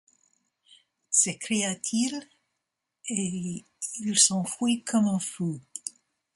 s’écria-t-il, et il s’enfuit comme un fou.